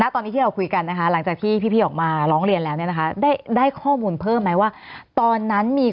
แต่ก็ได้ยาภารา